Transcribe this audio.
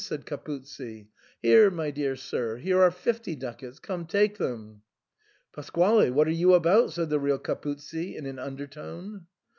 said Capuzzi. " Here, my dear sir, here are fifty ducats, come take them." "Pasquale, what are you about?" said the real Capuzzi in an undertone.